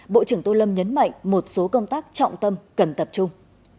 bộ trưởng tô lâm nhấn mạnh một số công tác trọng tâm cần tập trung